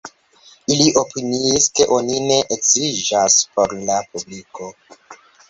Ili opiniis, ke oni ne edziĝas por la publiko.